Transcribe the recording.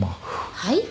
はい？